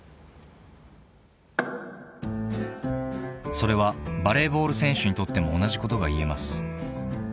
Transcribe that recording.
［それはバレーボール選手にとっても同じことが言えます］